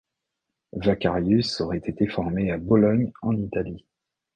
Vacarius aurait été formé à Bologne en Italie.